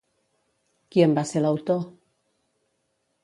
Qui en va ser l'autor?